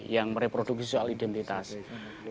yang mereprosesi di jawa tengah akan berbeda dengan dki